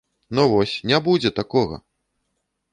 Ну вось, не будзе такога!